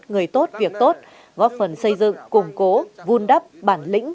người tốt việc tốt góp phần xây dựng củng cố vun đắp bản lĩnh